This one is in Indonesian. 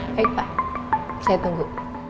baik pak saya tunggu